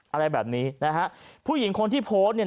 อะไรแบบนี้ผู้หญิงคนที่โพสต์